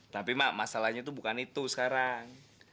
tapi mak masalahnya itu bukan itu sekarang